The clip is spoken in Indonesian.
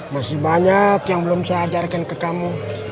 masih banyak yang belum saya ajarkan ke kamu